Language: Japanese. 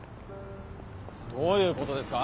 どういうことですか？